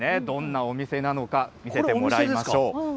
どんなお店なのか、見せてもらいましょう。